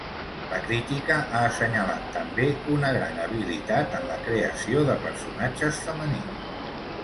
La crítica ha assenyalat també una gran habilitat en la creació de personatges femenins.